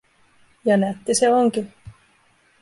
Ja nätti se onkin.